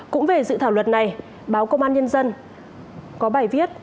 cũng về dự thảo luật này báo công an nhân dân có bài viết